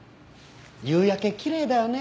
夕焼けきれいだよね。